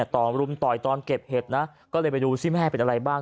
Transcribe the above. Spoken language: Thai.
ต่อรุมต่อยตอนเก็บเห็ดนะก็เลยไปดูซิแม่เป็นอะไรบ้าง